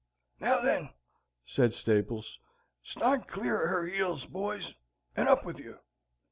"Now then," said Staples, "stand cl'ar of her heels, boys, and up with you.